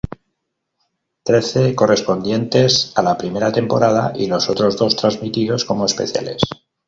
Trece correspondientes a la primera temporada, y los otros dos transmitidos como especiales.